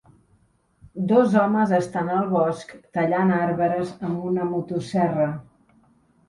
Dos homes estan al bosc tallant arbres amb una motoserra.